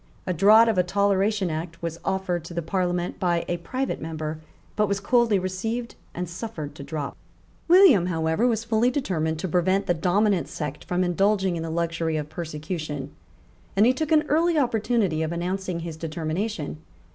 A draught of a Toleration Act was offered to the Parliament by a private member, but was coldly received and suffered to drop, William, however, was fully determined to prevent the dominant sect from indulging in the luxury of persecution; and he took an early opportunity of announcing his determination.